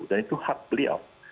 dan itu hak beliau